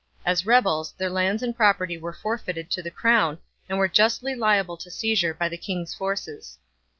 As rebels, their lands and property were forfeited to the crown and were justly liable to seizure by the king's forces.